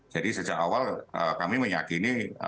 jadi sejak awal kami meyakini